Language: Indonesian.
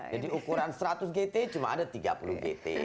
jadi ukuran seratus gt cuma ada tiga puluh gt